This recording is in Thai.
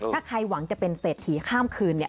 ถ้าใครหวังจะเป็นเศรษฐีข้ามคืนเนี่ย